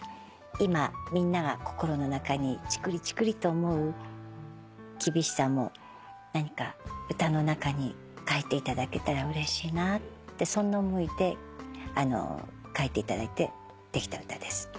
今みんなが心の中にチクリチクリと思う厳しさも何か歌の中に書いていただけたらうれしいなってそんな思いで書いていただいて出来た歌です。